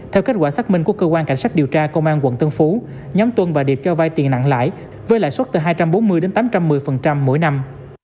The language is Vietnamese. theo kết quả xác minh của cơ quan cảnh sát điều tra công an tp hcm nhóm tuân và điệp cho vay tiền nặng lãi với lãi suất từ hai trăm bốn mươi tám trăm một mươi mỗi năm